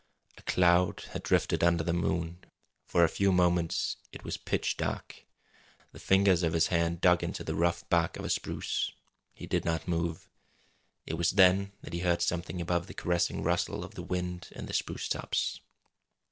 A cloud had drifted under the moon. For a few moments it was pitch dark. The fingers of his hand dug into the rough bark of a spruce. He did not move. It was then that he heard something above the caressing rustle of the wind in the spruce tops.